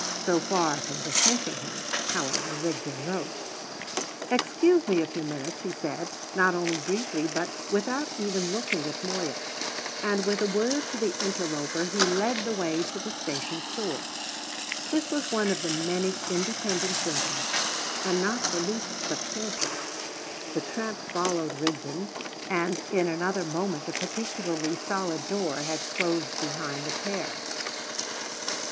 So far from dismissing him, however, Rigden rose. "Excuse me a few minutes," he said, not only briefly, but without even looking at Moya; and with a word to the interloper he led the way to the station store. This was one of the many independent buildings, and not the least substantial. The tramp followed Rigden, and in another moment a particularly solid door had closed behind the pair.